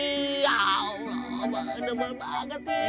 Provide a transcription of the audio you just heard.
ya allah abang anak memahami saya